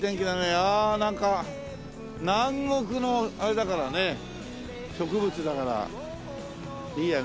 ああなんか南国のあれだからね植物だからいいよね